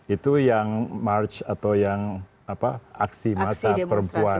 itu yang march atau yang aksi masa perempuan